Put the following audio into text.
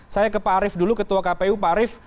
saya ke pak arief dulu ketua kpu pak arief